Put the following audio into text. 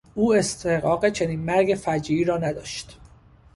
او استحقاق چنین مرگ فجیعی را نداشت.